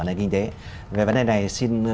cái kinh tế về vấn đề này xin